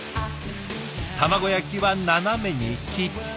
卵焼きは斜めに切って。